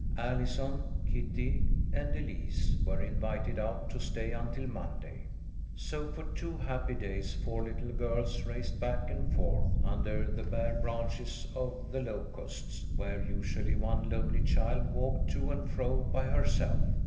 Allison, Kitty, and Elise were invited out to stay until Monday. So for two happy days four little girls raced back and forth under the bare branches of the locusts, where usually one lonely child walked to and fro by herself.